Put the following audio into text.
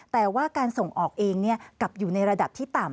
แต่ว่าการส่งออกเองกลับอยู่ในระดับที่ต่ำ